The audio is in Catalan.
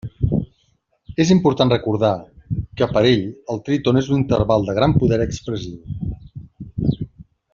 És important recordar que per a ell el tríton és un interval de gran poder expressiu.